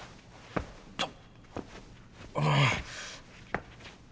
ああ。